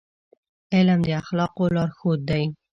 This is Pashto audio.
علم د اخلاقو لارښود دی.